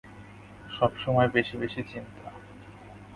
সবসময় বেশি বেশি চিন্তা।